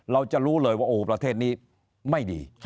เราจะรู้เลยว่าโอ้ประเทศนี้ไม่ดี